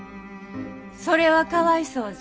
それはかわいそうじゃ。